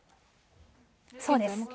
そうです。